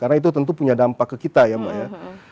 karena itu tentu punya dampak ke kita ya mbak ya